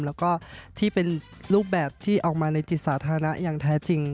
แล้วก็ที่เป็นรูปแบบที่ออกมาในจิตสาธารณะอย่างแท้จริง